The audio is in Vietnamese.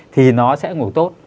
thì nó sẽ ngủ tốt